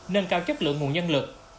nâng cao chất lượng nguồn nhân lực